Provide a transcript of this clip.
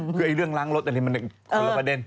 คือเรื่องล้างรถอันนี้มันคนละประเด็น